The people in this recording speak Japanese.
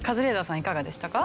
いかがでしたか？